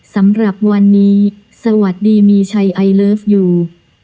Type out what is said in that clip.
สำหรับวันนี้สวัสดีมีชัยไอเลิฟยู